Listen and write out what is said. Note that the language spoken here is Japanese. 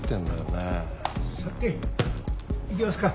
さて行きますか。